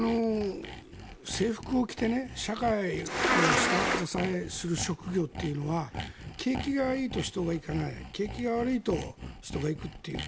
制服を着て社会を下支えする職業というのは景気がいいと人が行かない景気が悪いと人が行くという。